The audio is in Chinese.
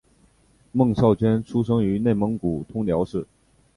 孟昭娟出生于内蒙古通辽市。